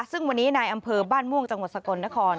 ซึ่งวันนี้นายอำเภอบ้านม่วงจังหวัดสกลนคร